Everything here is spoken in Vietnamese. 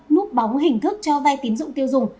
núp bóng hình thức cho vay tín dụng tiêu dùng